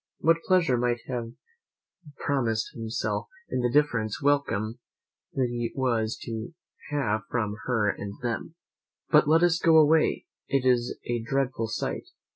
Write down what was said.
What pleasure might he have promised himself in the different welcome he was to have from her and them! But let us go away; it is a dreadful sight!